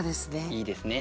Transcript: いいですね。